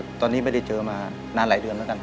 ตอนนี้ไม่ได้เจอมานานหลายเดือนแล้วกัน